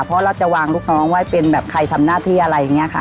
เพราะเราจะวางลูกน้องไว้เป็นแบบใครทำหน้าที่อะไรอย่างนี้ค่ะ